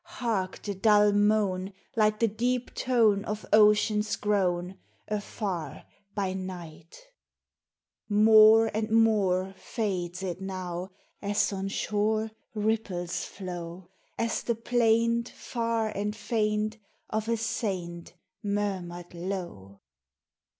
Hark, the dull moan, Like the deep tone Of ocean's groan, Afar, by night ! More and more Fades it now, As on shore Ripple's flow, — As the plaint Far and faint Of a saint Murmured low.